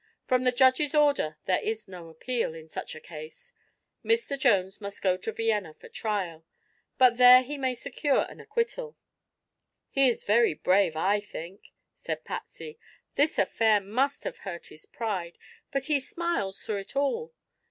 From the judge's order there is no appeal, in such a case. Mr. Jones must go to Vienna for trial; but there he may secure an acquittal." "He is very brave, I think," said Patsy. "This affair must have hurt his pride, but he smiles through it all.